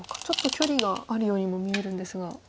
ちょっと距離があるようにも見えるんですが。